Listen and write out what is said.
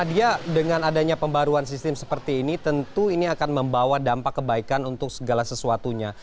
dia dengan adanya pembaruan sistem seperti ini tentu ini akan membawa dampak kebaikan untuk segala sesuatunya